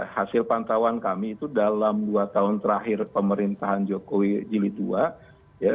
hasil pantauan kami itu dalam dua tahun terakhir pemerintahan jokowi jilid ii ya